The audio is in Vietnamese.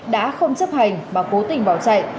đã không chấp hành mà cố tình bỏ chạy